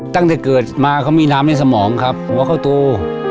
ตั้งแต่เกิดมาเขามีน้ำในสมองครับหัวเขาโต